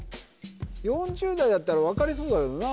４０代だったら分かりそうだけどな